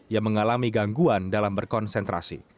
yang mengalami gangguan dalam berkonsentrasi